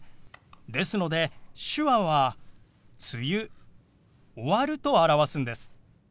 ですので手話は「梅雨」「終わる」と表すんです。